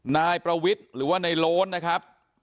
นายประวิทย์หรือว่าในโล้นนะครับ